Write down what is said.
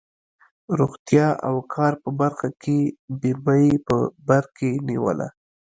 روغتیا او کار په برخه کې بیمه یې په بر کې نیوله.